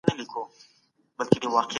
د پوهو خلګو خبري په منطق ولاړې وي.